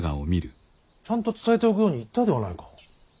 ちゃんと伝えておくように言ったではないか。